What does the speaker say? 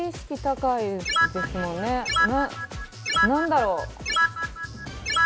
何だろう。